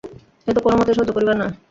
এ তো কোনোমতেই সহ্য করিবার নয়।